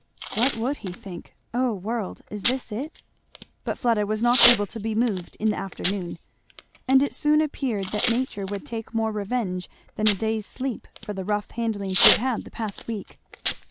What would he think! Oh world! Is this it? But Fleda was not able to be moved in the afternoon; and it soon appeared that nature would take more revenge than a day's sleep for the rough handling she had had the past week.